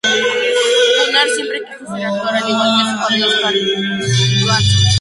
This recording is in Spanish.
Gunnar siempre quiso ser actor al igual que su padre, Oscar Johanson.